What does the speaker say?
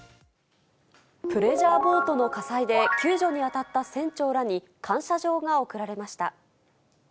プレジャーボートの火災で、救助に当たった船長らに感謝状が贈られました。